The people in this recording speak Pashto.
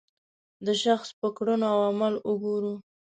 د شخص په کړنو او عمل وګوره.